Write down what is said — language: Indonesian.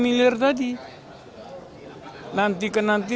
mungkin petunjuk dihlikikan dari semua nahan dan lemah